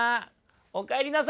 「おかえりなさい。